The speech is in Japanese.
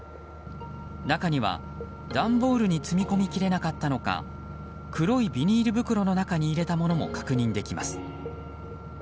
中には、段ボールに積み込みきれなかったのか黒いビニール袋の中に入れたものも確認できます。